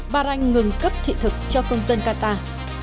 bà ranh ngừng cấp thị thực cho công dân qatar